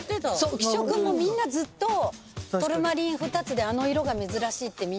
浮所君もみんなずっとトルマリン２つであの色が珍しいってみんな言ってて。